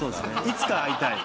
いつか会いたい。